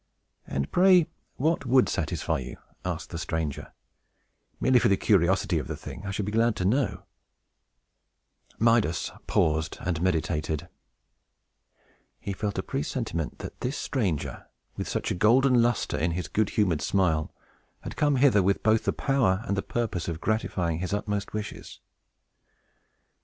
"And pray what would satisfy you?" asked the stranger. "Merely for the curiosity of the thing, I should be glad to know." [Illustration: THE STRANGER APPEARING TO MIDAS] Midas paused and meditated. He felt a presentiment that this stranger, with such a golden lustre in his good humored smile, had come hither with both the power and the purpose of gratifying his utmost wishes.